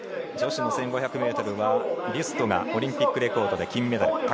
女子の１５００ｍはビュストがオリンピックレコードで金メダル。